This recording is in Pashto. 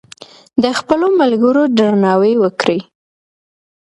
د خپلو ملګرو درناوی وکړئ.